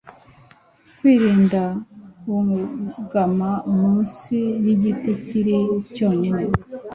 kwirinda kugama munsi y’igiti kiri cyonyine,